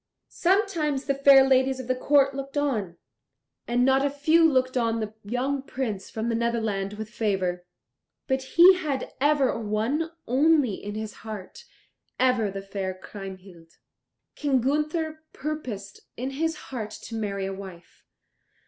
Sometimes the fair ladies of the court looked on, and not a few looked on the young Prince from the Netherland with favour. But he had ever one only in his heart, ever the fair Kriemhild. King Gunther purposed in his heart to marry a wife.